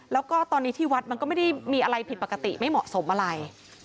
แล้วก็ตอนนี้ที่วัดมันก็ไม่ได้มีอะไรผิดปกติไม่เหมาะสมอะไร